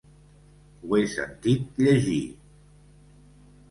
Ho he sentit llegir…